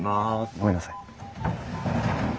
ごめんなさい。